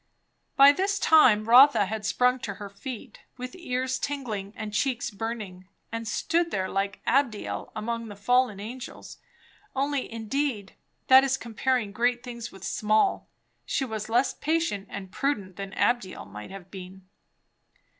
By this time Rotha had sprung to her feet, with ears tingling and cheeks burning, and stood there like Abdiel among the fallen angels, only indeed that is comparing great things with small She was less patient and prudent than Abdiel might have been.